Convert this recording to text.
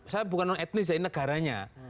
saya bukan orang etnis ya ini negaranya